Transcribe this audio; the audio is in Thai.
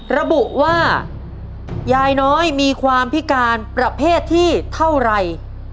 ระบุว่ายายน้อยมีความพิการประเภทที่เท่าไร